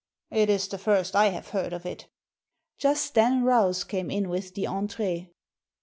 It is the first I have heard of it" Just then Rouse came in with the entree.